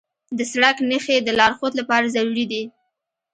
د سړک نښې د لارښود لپاره ضروري دي.